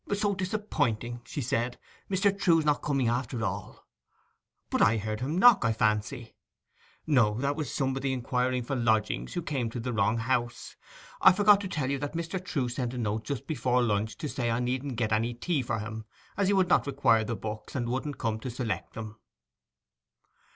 'So disappointing!' she said. 'Mr. Trewe not coming after all!' 'But I heard him knock, I fancy!' 'No; that was somebody inquiring for lodgings who came to the wrong house. I forgot to tell you that Mr. Trewe sent a note just before lunch to say I needn't get any tea for him, as he should not require the books, and wouldn't come to select them.